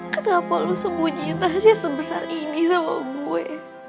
kenapa lu sembunyi nasi sebesar ini sama gue